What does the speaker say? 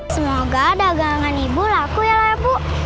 semoga dagangan ibu laku ya bu